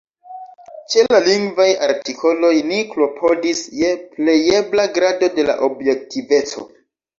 Ĉe la lingvaj artikoloj ni klopodis je plejebla grado de objektiveco.